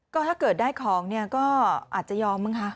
ก็ถ้าเกิดได้ของเนี่ยก็อาจจะยอมบ้างคะ